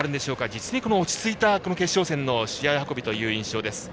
実に落ち着いた決勝戦の試合運びという印象です。